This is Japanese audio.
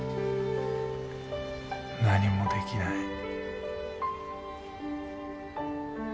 何もできない。